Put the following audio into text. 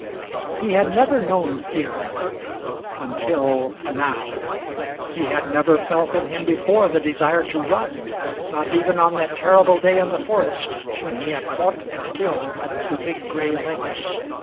He had never known fear until now. He had never felt in him before the desire to run not even on that terrible day in the forest when he had fought and killed the big gray lynx.